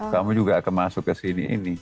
kamu juga akan masuk ke sini ini